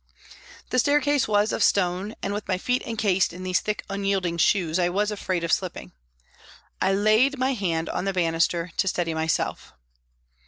The staircase was of stone and, with my feet encased in these thick unyielding shoes, I was afraid of slipping. I laid my hand on the banister to steady myself.